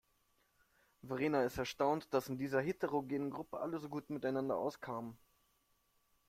Verena ist erstaunt, dass in dieser heterogenen Gruppe alle so gut miteinander auskamen.